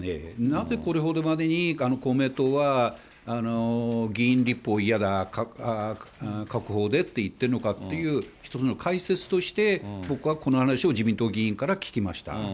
なぜこれほどまでに、公明党は議院立法を嫌だ、閣法でって言ってるのかっていう、一つの解説として、僕はこの話を自民党議員から聞きました。